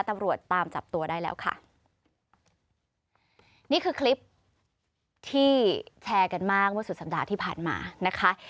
ตำรวจตามจับตัวได้แล้วค่ะนี่คือคลิปที่แชร์กันมากเมื่อสุดสัปดาห์ที่ผ่านมานะคะ